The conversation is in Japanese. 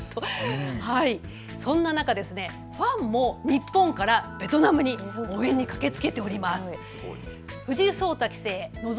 そんな中、ファンも日本からベトナムに応援に駆けつけております。